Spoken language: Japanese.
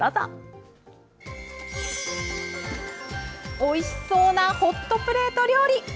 おいしそうなホットプレート料理。